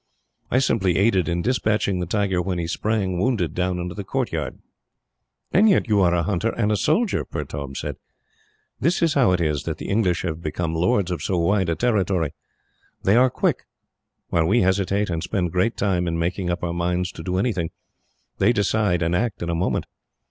I simply aided in despatching the tiger when he sprang, wounded, down into the courtyard." "And yet you are a hunter and a soldier," Pertaub said. "This is how it is that the English have become lords of so wide a territory. They are quick. While we hesitate, and spend great time in making up our minds to do anything, they decide and act in a moment.